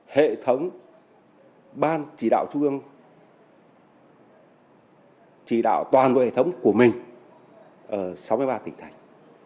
hệ thống ban chỉ đạo trung ương chỉ đạo toàn bộ hệ thống của mình ở sáu mươi ba tỉnh thành